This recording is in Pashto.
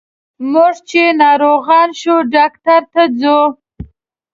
موږ چې ناروغان شو ډاکټر ته ځو.